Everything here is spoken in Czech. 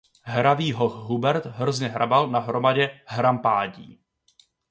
Hravý hoch Hubert hrozně hrabal na hromadě hrampádí.